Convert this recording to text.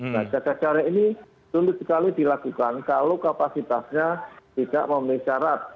nah jaga jarak ini sulit sekali dilakukan kalau kapasitasnya tidak memenuhi syarat